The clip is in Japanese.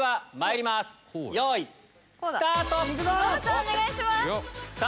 お願いします。